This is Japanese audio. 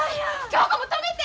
恭子も止めて！